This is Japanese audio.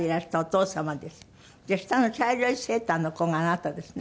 で下の茶色いセーターの子があなたですね？